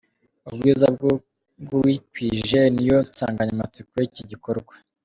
Ubwiza bw'uwikwije ni yo nsanganyamatsiko y'iki gikorwa.